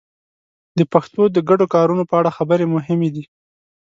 د پښتو د ګډو کارونو په اړه خبرې مهمې دي.